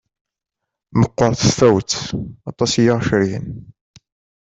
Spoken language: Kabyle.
Meqqert tfawet, aṭas i aɣ-cergen.